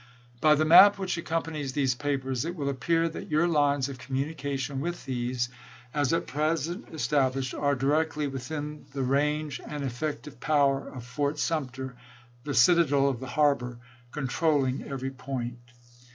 By the map which accompanies these papers it will appear that your lines of communication with these, as at present established, are directly within the range and effective power of Fort Sumter — the citadel of the har bor— controlling every point.